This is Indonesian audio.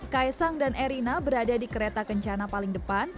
kaisang dan erina berada di kereta kencana paling depan